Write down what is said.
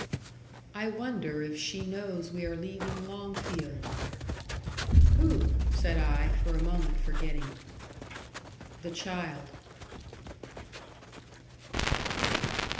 "I wonder if she knows we are leaving Longfield?" "Who?" said I; for a moment forgetting. "The child."